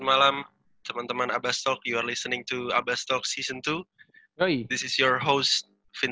ya terus berjuang aku seperti anggota men